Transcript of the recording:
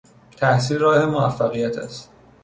تحصیل راه موفقیت است.